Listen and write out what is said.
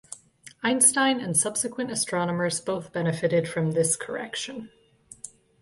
Einstein and subsequent astronomers both benefitted from this correction.